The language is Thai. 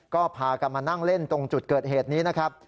ก็พากันมานั่งเล่นตรงจุดเกิดเหตุนี้นะครับ